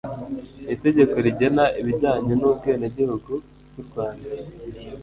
n'itegeko rigena ibijyanye n'ubwenegihugu bw'u Rwanda.